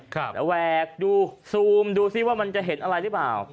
แล้วแหวกดูซูมดูซิว่ามันจะเห็นอะไรหรือเปล่า